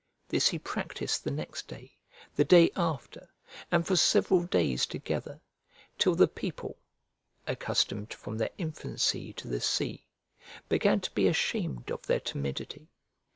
This he practised the next day, the day after, and for several days together, till the people (accustomed from their infancy to the sea) began to be ashamed of their timidity.